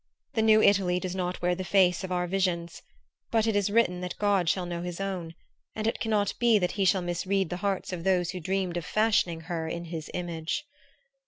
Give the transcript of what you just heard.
The new Italy does not wear the face of our visions; but it is written that God shall know His own, and it cannot be that He shall misread the hearts of those who dreamed of fashioning her in His image.